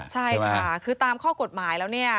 ใช่ค่ะคือตามข้อกฎหมายแล้วเนี่ย